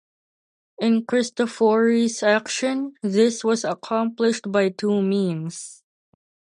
In Cristofori's action, this was accomplished by two means.